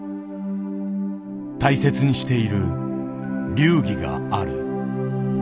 大切にしている流儀がある。